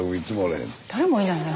誰もいないね